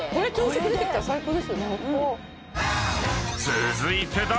［続いて］あ！